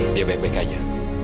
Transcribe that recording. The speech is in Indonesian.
dia baik baik aja